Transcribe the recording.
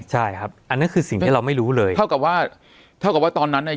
ใช่ครับอันนั้นคือสิ่งที่เราไม่รู้เลยเท่ากับว่าเท่ากับว่าตอนนั้นเนี่ย